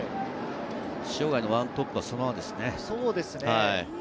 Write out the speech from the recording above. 塩貝の１トップはそのままですね。